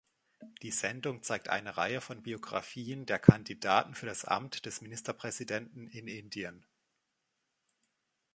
Die Sendung zeigt eine Reihe von Biografien der Kandidaten für das Amt des Ministerpräsidenten in Indien.